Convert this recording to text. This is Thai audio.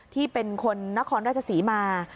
ที่เป็นคนนครราชศรีมา